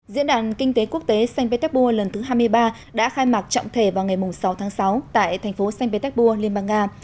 diễn đàn kinh tế quốc tế saint petersburg lần thứ hai mươi ba đã khai mạc trọng thể vào ngày sáu tháng sáu tại thành phố saint petersburg liên bang nga